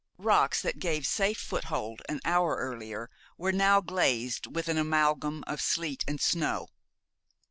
Rocks that gave safe foothold an hour earlier were now glazed with an amalgam of sleet and snow.